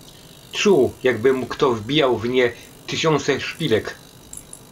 Czuł jakby mu kto wbijał w nie tysiące szpilek.